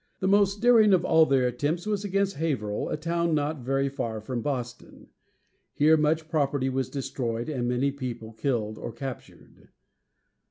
The most daring of all their attempts was against Hā´ver hill, a town not very far from Boston. Here much property was destroyed, and many people killed or captured.